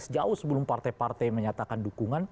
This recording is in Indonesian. dua ribu empat belas jauh sebelum partai partai menyatakan dukungan